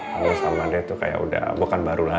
kamu sama dia tuh kayak udah bukan baru lagi